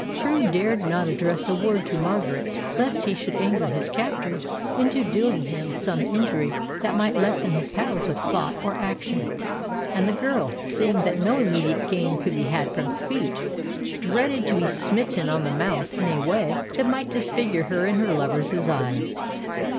Crewe dared not address a word to Margaret lest he should anger his captors into doing him some injury that might lessen his powers of thought or action, and the girl, seeing that no immediate gain could be had from speech, dreaded to be smitten on the mouth in a way that might disfigure her in her lover's eyes.